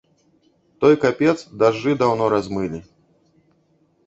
Той капец дажджы даўно размылі.